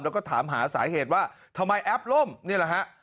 แล้วก็ถามหาสาเหตุว่าทำไมแอปล่มนี่แหละฮะ